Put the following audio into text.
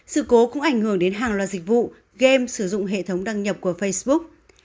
sự cố cũng ảnh hưởng đến hàng loạt dịch vụ game sử dụng hệ thống đăng nhập của facebook